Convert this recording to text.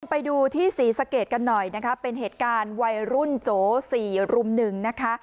ไปดูที่ศรีสะเกดกันหน่อยนะคะเป็นเหตุการณ์วัยรุ่นโจ๔รุ่มหนึ่งนะคะ